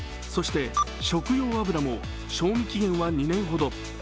そして食用油も賞味期限は２年ほど。